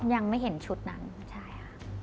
ยังไม่เห็นชุดนั้นใช่ค่ะ